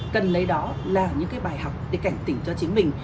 cần lấy đó là những cái bài học để cảnh tỉnh cho chính mình